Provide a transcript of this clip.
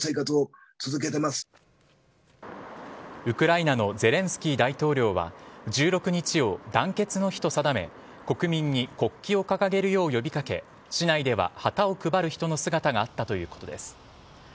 ウクライナのゼレンスキー大統領は１６日を団結の日と定め国民に国旗を掲げるよう呼び掛け市内では旗を配る人の姿があったということです。